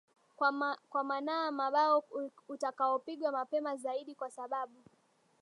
kwa manaa mabao utakaopigwa mapema zaidi kwa sababu